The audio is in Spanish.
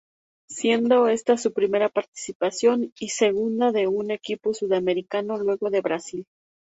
Siendo esta su primera participación y segunda de un equipo sudamericano luego de Brasil.